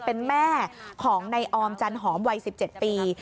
เป็นแม่ของนายออมจันหอมวัย๑๗ปี